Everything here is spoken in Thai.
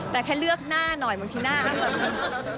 แต่แค่เลือกหน้าหน่อยเหมือนที่หน้าก็แบบ